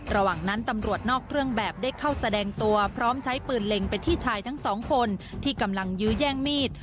ระหว่างนั้นตำรวจนอกเครื่องแบบได้เข้าแสดงตัวพร้อมใช้ปืนเล็งไปที่ชายทั้งสองคนที่กำลังยื้อแย่งมีด